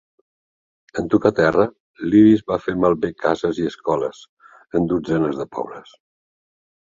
En tocar terra, l'Iris va fer malbé cases i escoles en dotzenes de pobles.